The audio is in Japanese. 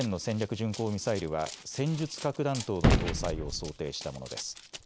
巡航ミサイルは戦術核弾頭の搭載を想定したものです。